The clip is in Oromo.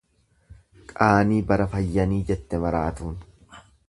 Qaanii bara fayyanii jette maraatuun.